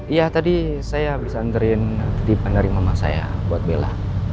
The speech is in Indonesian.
iya tadi saya bisa ngerin di bandari mama saya buat bella